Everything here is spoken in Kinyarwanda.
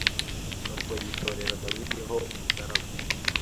nuko yitorera dawudi ho umugaragu